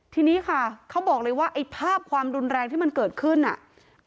ทีนี้ค่ะเขาบอกเลยว่าไอ้ภาพความรุนแรงที่มันเกิดขึ้นอ่ะ